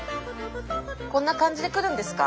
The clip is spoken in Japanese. こんな感じで来るんですか？